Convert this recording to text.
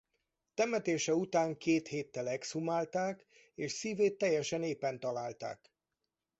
Temetése után két héttel exhumálták és szívét teljesen épen találták.